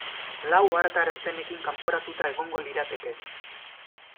Lau ohartarazpenekin kanporatuta egongo lirateke.